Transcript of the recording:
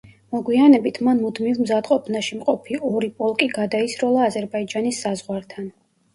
მოგვიანებით, მან მუდმივ მზადყოფნაში მყოფი ორი პოლკი გადაისროლა აზერბაიჯანის საზღვართან.